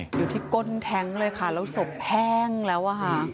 อยู่ที่ก้นแท้งเลยค่ะแล้วศพแห้งแล้วอะค่ะ